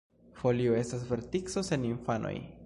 Folio estas vertico sen infanoj.